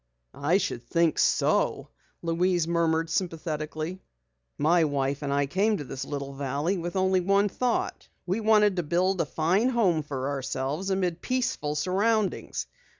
"I should think so," Louise murmured sympathetically. "My wife and I came to this little valley with only one thought. We wanted to build a fine home for ourselves amid peaceful surroundings.